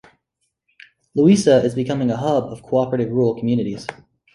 Louisa is becoming a hub of cooperative rural communities.